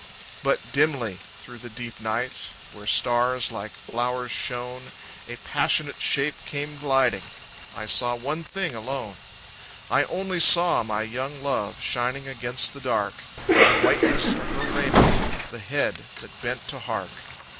_But dimly, through the deep night, Where stars like flowers shone, A passionate shape came gliding I saw one thing alone. I only saw my young love Shining against the dark, The whiteness of her raiment, The head that bent to hark.